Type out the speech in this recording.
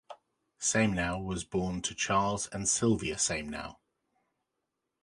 Samenow was born to Charles and Sylvia Samenow.